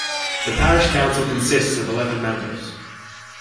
The parish council consists of eleven members.